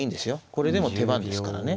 これでも手番ですからね。